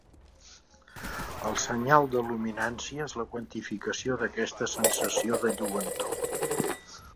El senyal de luminància és la quantificació d'aquesta sensació de lluentor.